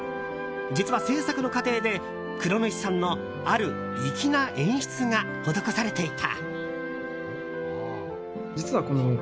実は制作の過程で黒主さんのある粋な演出が施されていた。